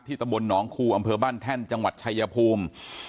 ตำบลหนองคูอำเภอบ้านแท่นจังหวัดชายภูมิ